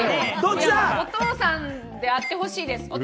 お父さんであってほしいです！